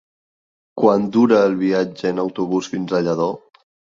Quant dura el viatge en autobús fins a Lladó?